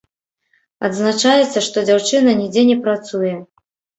Адзначаецца, што дзяўчына нідзе не працуе.